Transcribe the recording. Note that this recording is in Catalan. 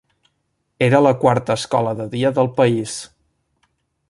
Era la quarta escola de dia del país.